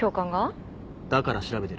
だから調べてる。